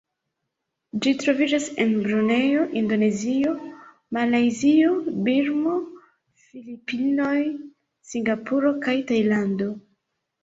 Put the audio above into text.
Ĝi troviĝas en Brunejo, Indonezio, Malajzio, Birmo, Filipinoj, Singapuro kaj Tajlando.